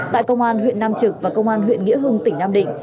tại công an huyện nam trực và công an huyện nghĩa hưng tỉnh nam định